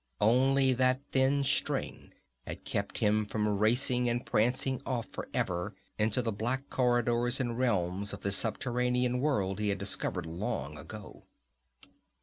Only that thin string had kept him from racing and prancing off for ever into the black corridors and realms of the subterranean world he had discovered, long ago.